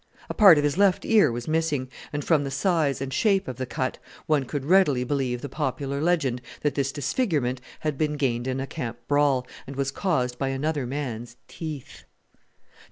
A part of his left ear was missing; and, from the size and shape of the cut, one could readily believe the popular legend that this disfigurement had been gained in a camp brawl, and was caused by another man's teeth!